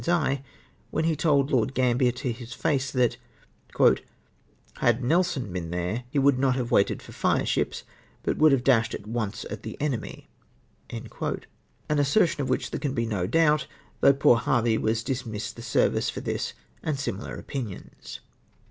's eye when he told Lord Gambler to his face that " had JSTelson been there, he would not have ^vaited for fire ships, but would have dashed at once at the enemy ;" an assertion of which there can be no doubt, though poor Harvey was dismissed the service for this and similar opinions.